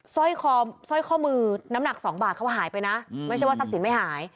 สร้อยข้อมือน้ำหนัก๒บาทเขาหายไปนะไม่ใช่ว่าทรัพย์สินไม่หาย